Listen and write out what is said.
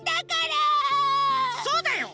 そうだよ！